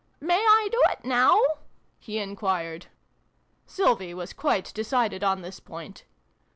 " May I do it now ?" he enquired. Sylvie was quite decided on this point.